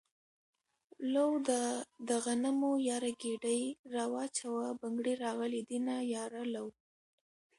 لو ده دغنمو ياره ګيډی را واچوه بنګړي راغلي دينه ياره لو